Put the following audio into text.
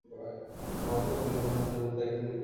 তিনি ভারতে কন্যা ভ্রূণ হত্যার বিরুদ্ধে একজন কর্মী ছিলেন।